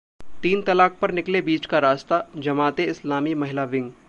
तीन तलाक पर निकले बीच का रास्ता: जमात-ए-इस्लामी महिला विंग